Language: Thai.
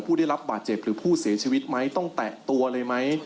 ผู้ได้รับบาดเจ็บหรือผู้เสียชีวิตไหมต้องแตะตัวเลยไหม